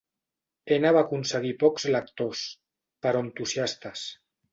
Ena va aconseguir pocs lectors, però entusiastes.